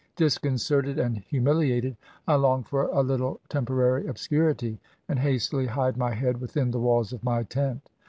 Disconcerted and humiliated, I long for a Uttle tempo rary obscurity, and hastily hide my head within the walls of my tent.